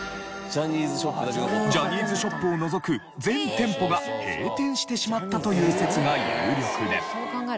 ジャニーズショップを除く全店舗が閉店してしまったという説が有力で。